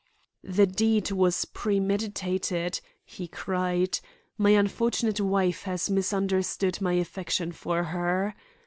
'The deed was premeditated,' he cried. 'My unfortunate wife has misunderstood my affection for her.